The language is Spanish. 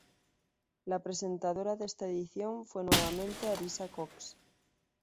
La presentadora de esta edición fue nuevamente Arisa Cox.